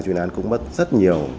chuyên án cũng mất rất nhiều